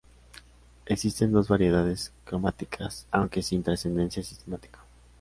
Existen dos variedades cromáticas, aunque sin trascendencia sistemática.